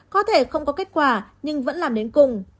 có thể không có kết quả nhưng vẫn làm đến cùng